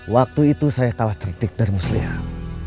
waktu itu saya kalah cerdik dari muslimah